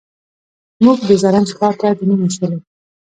موږ د زرنج ښار ته دننه شولو.